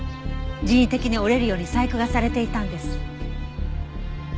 人為的に折れるように細工がされていたんです。